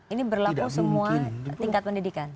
ini berlaku semua tingkat pendidikan